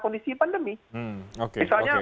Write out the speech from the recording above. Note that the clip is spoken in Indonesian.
kondisi pandemi misalnya